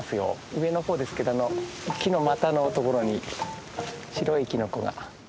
上の方ですけど木の股のところに白いキノコが。